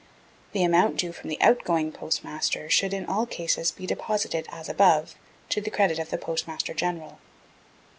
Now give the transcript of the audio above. The amount due from the out going Postmaster should, in all cases, be deposited as above, to the credit of the Postmaster General.